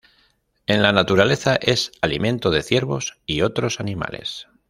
En la naturaleza es alimento de ciervos y otros animales.